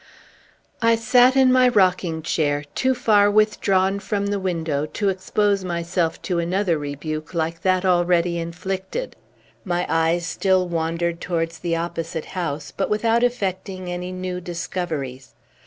I sat in my rocking chair, too far withdrawn from the window to expose myself to another rebuke like that already inflicted. My eyes still wandered towards the opposite house, but without effecting any new discoveries.